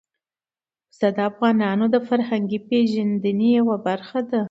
پسه د افغانانو د فرهنګي پیژندنې یوه برخه ده.